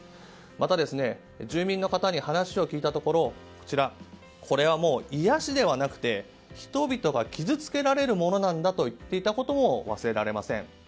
また、住民の方に話を聞いたところこれはもう、癒やしではなく人々が傷つけられるものなんだと言っていたことも忘れられません。